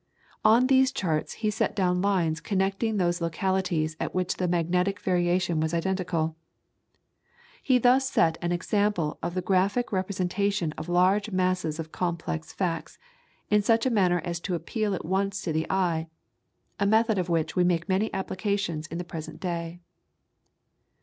On these charts he set down lines connecting those localities at which the magnetic variation was identical. He thus set an example of the graphic representation of large masses of complex facts, in such a manner as to appeal at once to the eye, a method of which we make many applications in the present day.